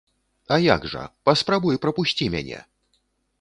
А як жа, паспрабуй прапусці мяне!